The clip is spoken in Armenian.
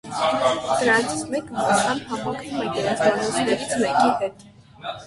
Դրանցից մեկը մասամբ համընկնում է գերեզմանոցներից մեկի հետ։